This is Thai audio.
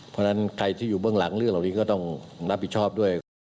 เพราะฉะนั้นใครที่อยู่เบื้องหลังเรื่องเหล่านี้ก็ต้องรับผิดชอบด้วยครับ